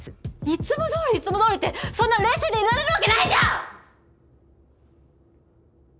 いつも通りいつも通りってそんな冷静でいられるわけないじゃん！